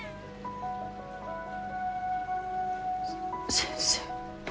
先生。